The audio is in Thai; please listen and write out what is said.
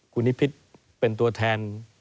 คุณนิพิษเป็นตัวแทน